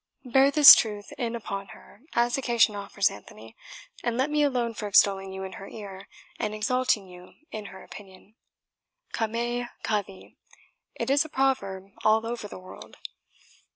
Bear this truth in upon her as occasion offers, Anthony, and let me alone for extolling you in her ear, and exalting you in her opinion KA ME, KA THEE it is a proverb all over the world.